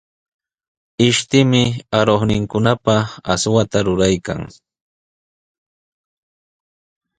Ishtimi aruqninkunapaq aswata ruraykan.